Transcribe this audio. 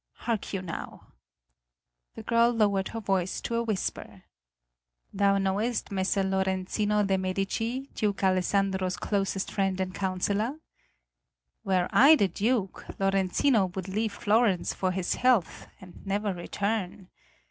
Hark you now." The girl lowered her voice to a whisper. "Thou knowest Messer Lorenzino de' Medici, Duke Alessandro's closest friend and counselor? Were I the Duke, Lorenzino would leave Florence for his health and never return.